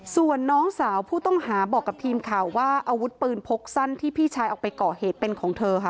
ส่วนน้องสาวผู้ต้องหาบอกกับทีมข่าวว่าอาวุธปืนพกสั้นที่พี่ชายออกไปก่อเหตุเป็นของเธอค่ะ